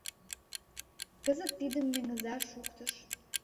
Кызыт тидым Меҥыза шуктыш.